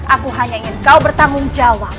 aku hanya ingin kau bertanggung jawab